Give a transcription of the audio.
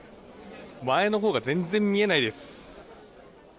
前のほうが全然見えないです。